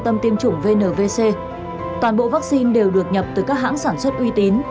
toàn bộ vaccine đều được nhập từ các hãng sản xuất uy tín